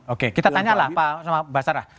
oke kita tanyalah pak basarah